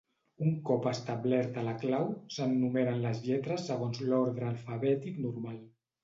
Un cop establerta la clau, se'n numeren les lletres segons l'ordre alfabètic normal.